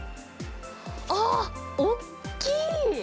あー、おっきい。